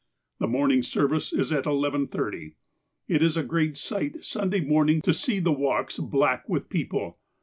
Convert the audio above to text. The morning service is at 11 : 30. It is a great sight Sunday morning to see the walks black with people.